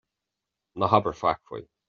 Ná habair faic faoi.